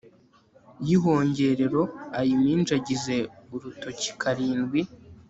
y ihongerero ayaminjagize urutoki karindwi